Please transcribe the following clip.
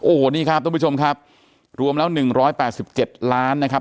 โอ้โหนี่ครับทุกผู้ชมครับรวมแล้ว๑๘๗ล้านนะครับ